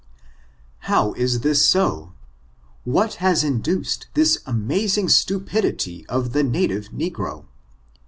How is this ? what has induced this amazing stu pidity of the native negro